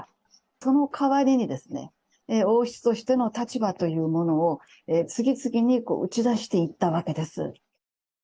そのかわりにですね、王室としての立場というものを、次々に打ち出していったわけです。